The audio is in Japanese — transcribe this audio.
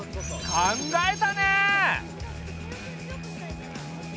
考えたね。